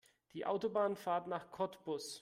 Die Autobahnabfahrt nach Cottbus